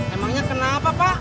emangnya kenapa pak